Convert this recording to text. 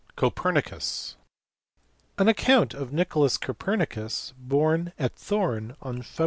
Copernicus. An account of Nicolaus Copernicus, born at Thorn on Feb.